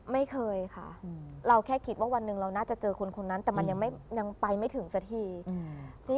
ไม่เคยค่ะเราแค่คิดว่าวันหนึ่งเราน่าจะเจอคนคนนั้นแต่มันยังไปไม่ถึงสักที